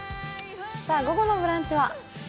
午後の「ブランチ」は？